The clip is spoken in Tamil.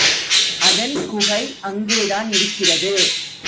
அதன் குகை அங்கேதான் இருக்கிறது.